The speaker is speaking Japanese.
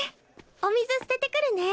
お水捨ててくるね。